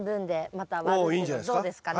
どうですかね？